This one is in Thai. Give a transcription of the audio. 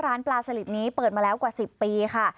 ร้านปลาสลิดนี้เปิดมาแล้วกว่า๑๐ปีค่ะ